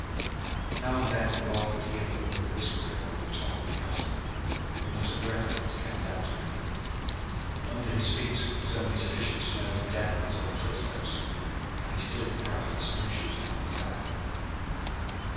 Now and then Rod could hear the wind whispering over the top of the chasm. But not a breath of it came down to him. Under his feet was only sufficient snow to deaden his own footsteps, and he still carried his snow shoes upon his back.